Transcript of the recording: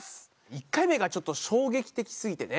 １回目がちょっと衝撃的すぎてね。